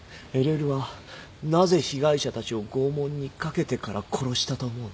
ＬＬはなぜ被害者たちを拷問にかけてから殺したと思う？